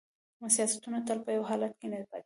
سیاستونه تل په یو حالت کې نه پاتیږي